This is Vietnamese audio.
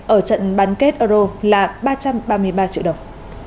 ở trận bán kết euro là ba trăm ba mươi ba triệu đồng